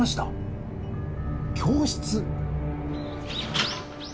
教室！